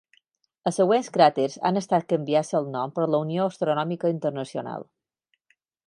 Els següents cràters han estat canviats el nom per la Unió Astronòmica Internacional.